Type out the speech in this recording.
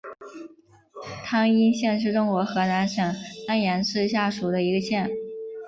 汤阴县是中国河南省安阳市下属的一个县。